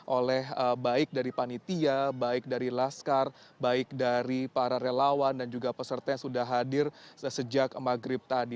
oleh baik dari panitia baik dari laskar baik dari para relawan dan juga peserta yang sudah hadir sejak maghrib tadi